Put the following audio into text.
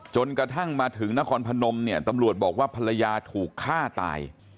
จนกระทั่งมาถึงนครพนมเนี่ยตำรวจบอกว่าภรรยาถูกฆ่าตาย